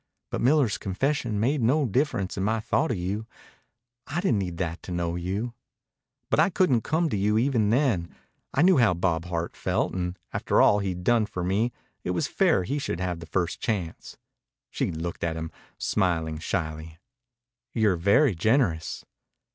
"But Miller's confession made no difference in my thought of you. I didn't need that to know you." "But I couldn't come to you even then. I knew how Bob Hart felt, and after all he'd done for me it was fair he should have first chance." She looked at him, smiling shyly. "You're very generous."